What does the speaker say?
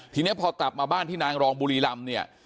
ทีนี้พอกลับมาบ้านที่นางรองบุรีรำเนี่ย